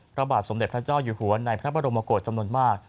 พระบาทสมเด็จพระเจ้าอยู่หัวในพระบรมกฏจำนวนมาก